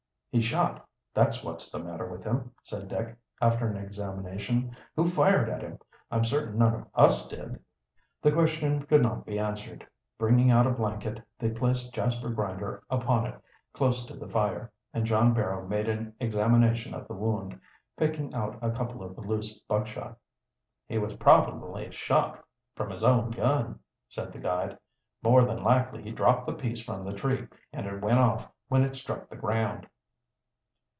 "He's shot, that's what's the matter with him," said Dick, after an examination. "Who fired at him? I'm certain none of us did." The question could not be answered. Bringing out a blanket, they placed Jasper Grinder upon it, close to the fire, and John Barrow made an examination of the wound, picking out a couple of the loose buckshot. "He was probably shot from his own gun," said the guide. "More than likely he dropped the piece from the tree, and it went off when it struck the ground."